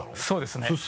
そうですね。